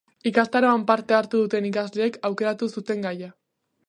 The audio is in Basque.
Ikastaroan parte hartu duten ikasleek aukeratu zuten gaia.